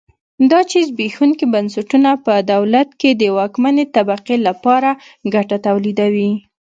دا چې زبېښونکي بنسټونه په دولت کې د واکمنې طبقې لپاره ګټه تولیدوي.